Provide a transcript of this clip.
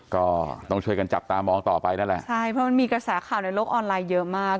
ก็ต้องช่วยกันจับตามองต่อไปนั่นแหละใช่เพราะมันมีกระแสข่าวในโลกออนไลน์เยอะมาก